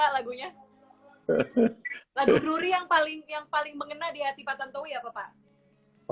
lagu brury yang paling yang paling mengena di hati pak tantowi ya pak